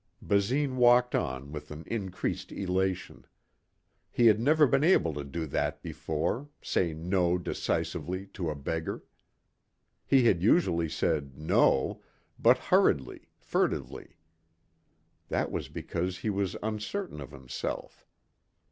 Basine walked on with an increased elation. He had never been able to do that before, say "no" decisively to a beggar. He had usually said "no", but hurriedly, furtively. That was because he was uncertain of himself.